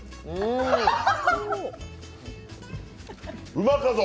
うまか丼！